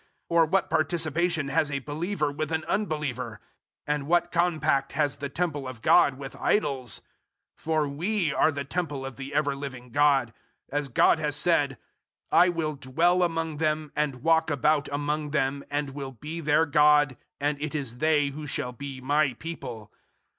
Or what participation has a believer with an unbeliever? 006:016 And what compact has the Temple of God with idols? For *we* are the Temple of the ever living God; as God has said, "I will dwell among them, and walk about among them; and will be their God, and it is they who shall be My people."